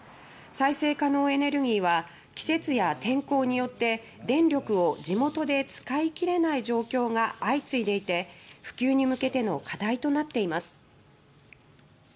再生可能エネルギーは季節や天候によって電力を地元で使いきれない状況が相次いでいて普及に向けての課題となっています。